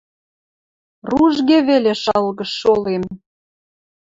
Ружге веле шалгыш шолем